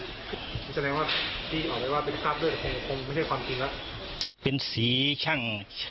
นี่แสดงว่าพี่ออกไว้ว่าเป็นภาพด้วยแต่คงไม่ใช่ความจริงละ